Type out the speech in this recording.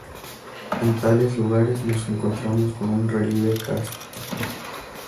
En tales lugares, nos encontramos con un relieve kárstico.